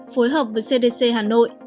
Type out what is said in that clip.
phối hợp với cdc hà nội